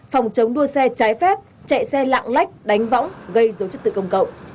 phòng chống đua xe trái phép chạy xe lạng lách đánh võng gây dấu chức tự công cộng